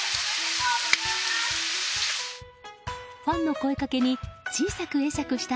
ファンの声掛けに小さく会釈した